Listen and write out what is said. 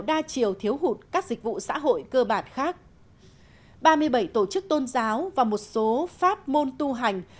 đa chiều thiếu hụt các dịch vụ xã hội cơ bản khác ba mươi bảy tổ chức tôn giáo và một số pháp môn tu hành